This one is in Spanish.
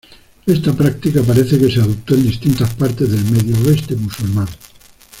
Esta práctica parece que se adoptó en distintas partes del medio oeste musulmán.